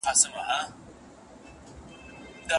دا هم مه هيروه، چي دا هر څه ازموينه ده.